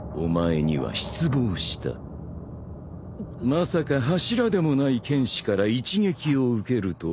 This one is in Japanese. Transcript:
まさか柱でもない剣士から一撃を受けるとは。